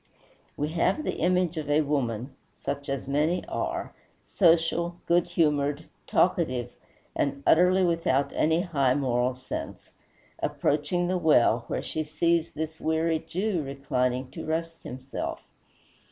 We have the image of a woman such as many are, social, good humored, talkative, and utterly without any high moral sense approaching the well, where she sees this weary Jew reclining to rest himself.